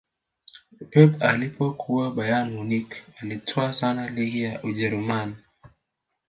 pep alipokuwa bayern munich alitawala sana ligi ya ujerumani